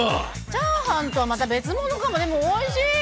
チャーハンとはまた別ものかもね、でもおいしい。